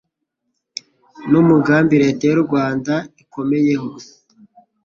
ni umugambi Leta y'u Rwanda ikomeyeho.